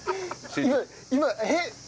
今えっ！？